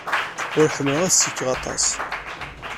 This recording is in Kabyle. Ur ḥemmleɣ ad ssikeɣ aṭas.